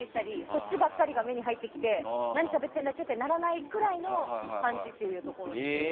そっちばっかりが目に入ってきて何をしゃべってるんだっけとならないくらいの感じというところで。